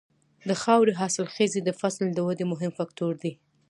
د خاورې حاصلخېزي د فصل د ودې مهم فکتور دی.